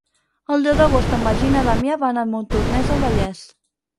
El deu d'agost en Magí i na Damià van a Montornès del Vallès.